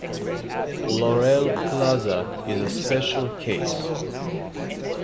Laurel Plaza is a special case.